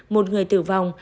một người tử vong